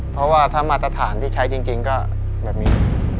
เพราะว่าถ้ามาตรฐานที่ใช้จริงก็แบบนี้